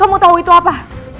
kamu tahu itu apa